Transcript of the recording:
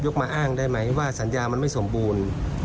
มาอ้างได้ไหมว่าสัญญามันไม่สมบูรณ์